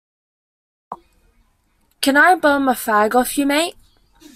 Can I bum a fag off you, mate?